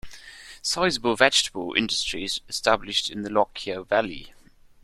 A sizable vegetable industry is established in the Lockyer Valley.